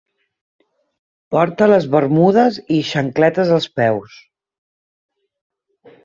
Porta les bermudes i xancletes als peus.